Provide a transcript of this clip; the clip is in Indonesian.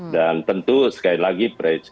dan tentu sekali lagi